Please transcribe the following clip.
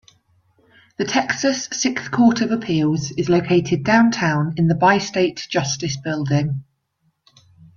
The Texas Sixth Court of Appeals is located downtown in the Bi-State Justice Building.